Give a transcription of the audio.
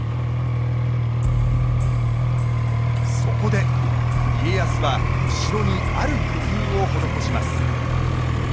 そこで家康は城にある工夫を施します。